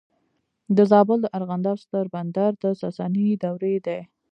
د زابل د ارغنداب ستر بند د ساساني دورې دی